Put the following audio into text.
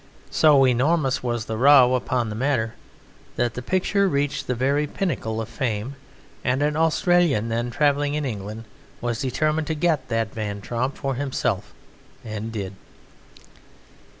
So enormous was the row upon the matter that the picture reached the very pinnacle of fame, and an Australian then travelling in England was determined to get that Van Tromp for himself, and did.